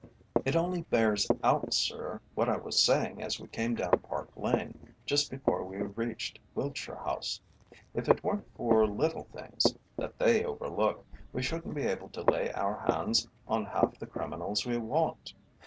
"It only bears out, sir, what I was saying as we came down Park Lane, just before we reached Wiltshire House. If it weren't for little things, that they overlook, we shouldn't be able to lay our hands on half the criminals we want.